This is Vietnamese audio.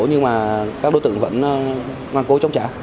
nhưng mà các đối tượng vẫn ngoan cố chống trả